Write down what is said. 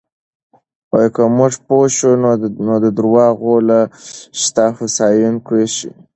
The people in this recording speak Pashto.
که موږ پوه شو، نو د درواغو له شته هوسایونکی شي.